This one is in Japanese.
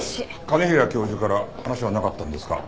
兼平教授から話はなかったんですか？